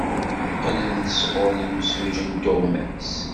Qqlen-d sɣur yimsujji n tuɣmas.